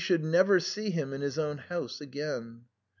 should never see him in his own hous6 again.